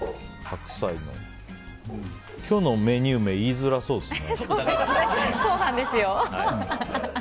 今日のメニュー名言いづらそうですね。